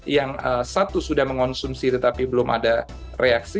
yang satu sudah mengonsumsi tetapi belum ada reaksi